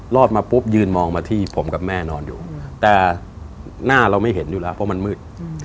มาปุ๊บยืนมองมาที่ผมกับแม่นอนอยู่แต่หน้าเราไม่เห็นอยู่แล้วเพราะมันมืด